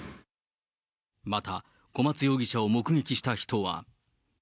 また、小松容疑者を目撃した人は。